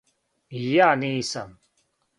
И ја нисам.